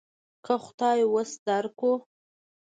که خدای وس درکړو.